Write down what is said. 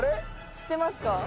知ってますか？